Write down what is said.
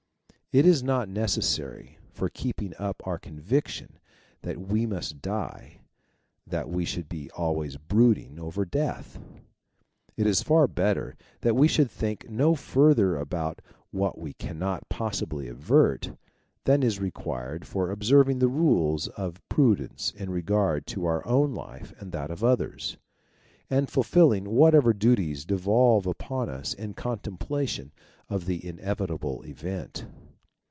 It is not necessary for keeping up our conviction that we must die. that we should be always brooding over death. It is far better that we should think no further about what we cannot possibly avert, than is required for observing the rules of prudence in regard to our own life and that of others, and fulfilling whatever duties devolve upon us in contemplation of the ine vitable event.